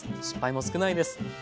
失敗も少ないです。